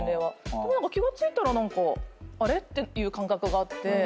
でも何か気が付いたらあれっ？っていう感覚があって。